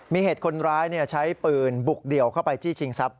มีเหตุคนร้ายใช้ปืนบุกเดี่ยวเข้าไปจี้ชิงทรัพย